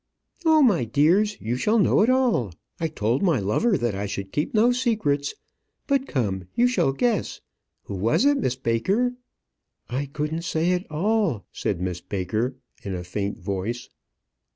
"Oh, my dears, you shall know it all. I told my lover that I should keep no secrets. But, come, you shall guess. Who was it, Miss Baker?" "I couldn't say at all," said Miss Baker, in a faint voice.